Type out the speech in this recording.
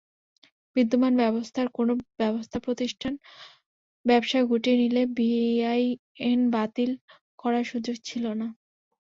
বিদ্যমান ব্যবস্থায় কোনো ব্যবসাপ্রতিষ্ঠান ব্যবসা গুটিয়ে নিলে বিআইএন বাতিল করার সুযোগ ছিল না।